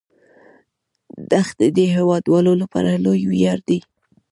دښتې د هیوادوالو لپاره لوی ویاړ دی.